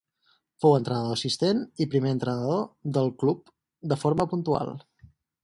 Fou entrenador assistent i primer entrenador del club de forma puntual.